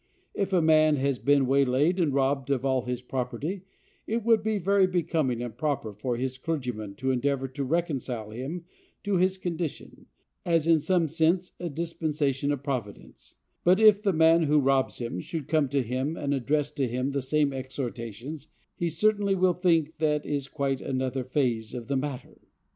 If a man has been waylaid and robbed of all his property, it would be very becoming and proper for his clergyman to endeavor to reconcile him to his condition, as, in some sense, a dispensation of Providence; but if the man who robs him should come to him, and address to him the same exhortations, he certainly will think that that is quite another phase of the matter.